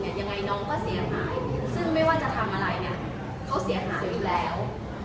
ยังไงน้องก็เสียหายซึ่งไม่ว่าจะทำอะไรเนี่ยเขาเสียหายอยู่แล้ว